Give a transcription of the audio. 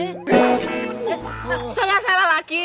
eh salah salah lagi